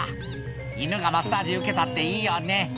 犬がマッサージ受けたっていいよね。